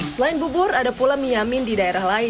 selain bubur ada pula miyamin di daerah lain